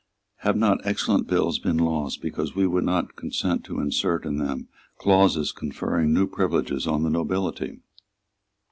Have not excellent bills been lost because we would not consent to insert in them clauses conferring new privileges on the nobility?